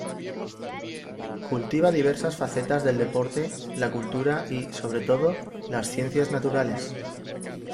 Cultiva diversas facetas del deporte, la cultura y, sobre todo, las Ciencias Naturales.